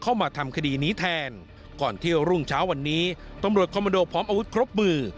เข้ามาทำคดีนี้แทนก่อนเที่ยวรุ่งเช้าวันนี้ตำรวจคอมโมโดพร้อมอาวุธครบมือ